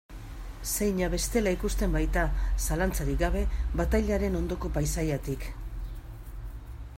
Zeina bestela ikusten baita, zalantzarik gabe, batailaren ondoko paisaiatik.